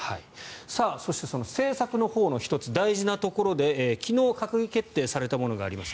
そして、その政策のほうの１つ大事なところで昨日、閣議決定されたものがあります。